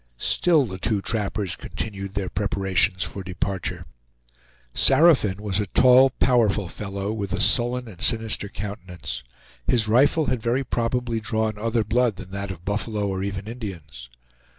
Still the two trappers continued their preparations for departure. Saraphin was a tall, powerful fellow, with a sullen and sinister countenance. His rifle had very probably drawn other blood than that of buffalo or even Indians.